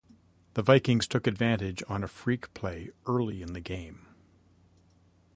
The Vikings took advantage on a freak play early in the game.